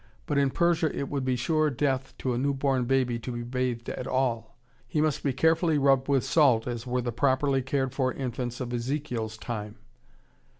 But in Persia it would be sure death to a newborn baby to be bathed at all, he must be carefully rubbed with salt as were the properly cared for infants of Ezekiel's time!